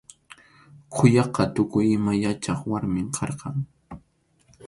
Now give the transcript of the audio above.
Quyaqa tukuy ima yachaq warmim karqan.